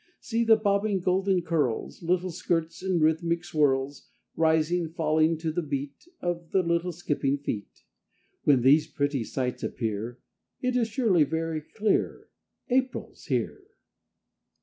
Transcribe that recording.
See the bobbing golden curls, Little skirts in rhythmic swirls Rising, falling, to the beat Of the little skipping feet! When these pretty sights appear, It is surely very clear April's here!